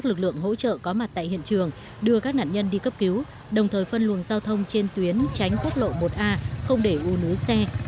các lực lượng hỗ trợ có mặt tại hiện trường đưa các nạn nhân đi cấp cứu đồng thời phân luồng giao thông trên tuyến tránh quốc lộ một a không để u nứt